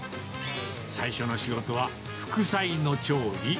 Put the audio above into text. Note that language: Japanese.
最初の仕事は副菜の調理。